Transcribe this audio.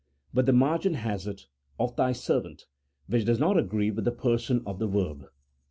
But the margin has it "of thy servant," which does not agree with the person of the verb.